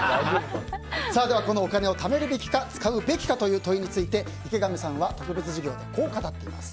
このお金をためるべきか使うべきかという問いについて、池上さんは特別授業でこう語っています。